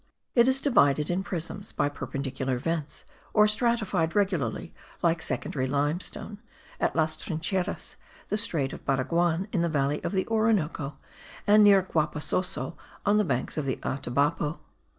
It is divided in prisms by perpendicular vents, or stratified regularly like secondary limestone, at Las Trincheras, the strait of Baraguan in the valley of the Orinoco, and near Guapasoso, on the banks of the Atabapo.